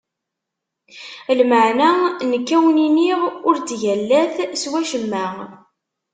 Lameɛna, nekk ad wen-iniɣ: ur ttgallat s wacemma.